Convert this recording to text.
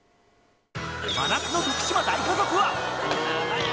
真夏の徳島大家族は。